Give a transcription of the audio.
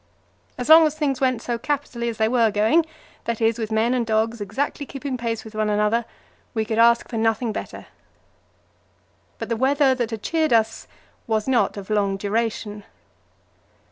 As long as things went so capitally as they were going that is, with men and dogs exactly keeping pace with one another we could ask for nothing better. But the weather that had cheered us was not of long duration.